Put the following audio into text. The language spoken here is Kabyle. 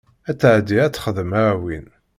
Ad tɛeddi ad texdem aɛwin.